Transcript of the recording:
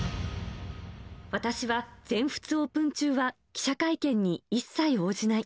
私は全仏オープン中は記者会見に一切応じない。